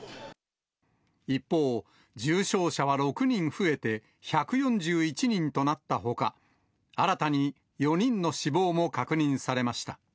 一方、重症者は６人増えて１４１人となったほか、新たに４人の死亡も確認されました。